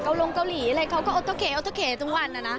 เกาหลงเกาหลีอะไรเขาก็อัตโตเกอัตโตเกทุกวันนะนะ